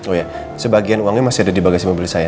oh ya sebagian uangnya masih ada di bagasi mobil saya